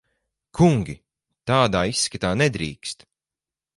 Kungi! Tādā izskatā nedrīkst.